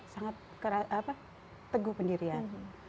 sangat teguh pendirian